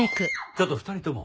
ちょっと２人とも。